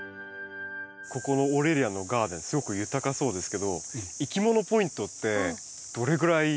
ここのオーレリアンのガーデンすごく豊そうですけどいきものポイントってどれぐらいでしょうか？